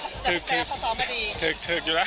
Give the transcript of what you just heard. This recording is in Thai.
คลิปครั้งแรกของเขาเป็นไหมครับ